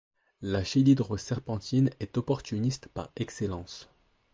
La chélydre serpentine est opportuniste par excellence.